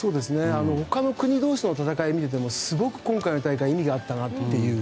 他の国同士の戦いを見ていても今回の大会はすごく意味があったなと。